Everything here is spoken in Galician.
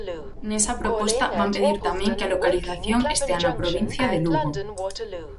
Nesa proposta van pedir tamén que a localización estea na provincia de Lugo.